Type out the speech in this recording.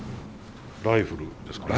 ライフルですかね？